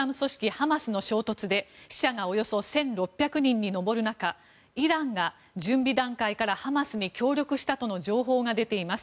ハマスの衝突で死者がおよそ１６００人に上る中イランが準備段階からハマスに協力したとの情報が出ています。